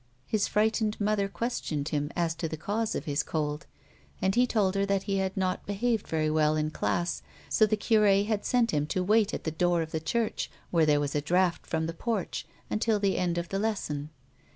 His frightened mother questioned him as to the cause of his cold and he told her that he had not behaved very well in class, so the cure had sent him to wait at the door of the church, where there was a draught from the porch, until the end of the lesson.